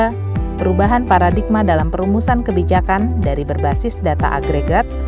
kedua perubahan paradigma dalam perumusan kebijakan dari berbasis data agregat